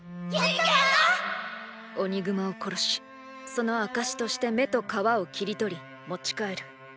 オニグマを殺しその「証」として目と皮を切り取り持ち帰る。